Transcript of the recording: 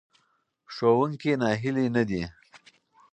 ښوونکی ناهیلی نه دی.